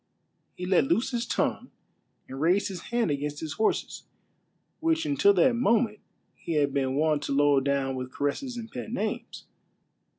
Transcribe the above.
He let loose his tongue, and raised his hand against his horses, which until that moment he had been wont to load down with caresses and pet names.